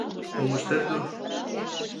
Омыштет дыр.